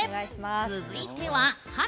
続いては華！